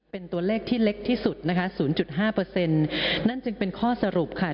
เป็นตัวเลขที่เล็กที่สุดนะคะศูนย์จุดห้าเปอร์เซ็นต์นั่นจึงเป็นข้อสรุปค่ะ